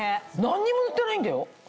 何にも塗ってないんだよ？